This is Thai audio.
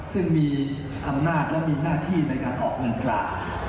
ซึ่งมีอำนาจและมีหน้าที่ในการออกเงินตรา